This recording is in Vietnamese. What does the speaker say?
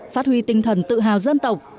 phát huy tinh thần tự hào dân tộc